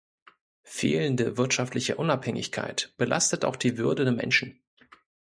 Fehlende wirtschaftliche Unabhängigkeit belastet auch die Würde der Menschen.